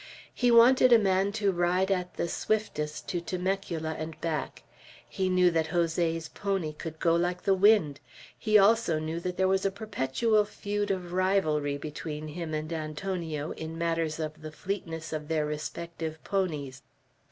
He wanted a man to ride at the swiftest to Temecula and back. He knew that Jose's pony could go like the wind. He also knew that there was a perpetual feud of rivalry between him and Antonio, in matter of the fleetness of their respective ponies.